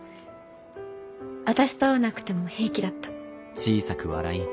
私と会わなくても平気だった。